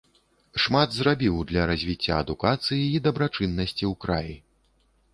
Шмат зрабіў для развіцця адукацыі і дабрачыннасці ў краі.